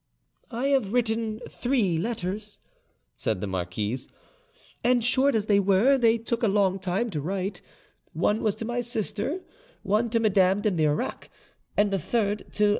"I have written three letters," said the marquise, "and, short as they were, they took a long time to write: one was to my sister, one to Madame de Marillac, and the third to M.